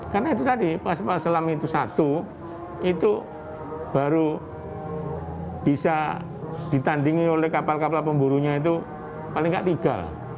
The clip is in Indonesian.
karena itu tadi pas kapal selam itu satu itu baru bisa ditandingi oleh kapal kapal pemburunya itu paling nggak tiga lah